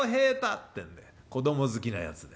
ってんで子供好きなやつで。